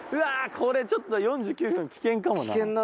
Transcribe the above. これちょっと４９分危険かもな。